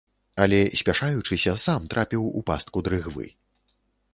Але, спяшаючыся, сам трапіў у пастку дрыгвы.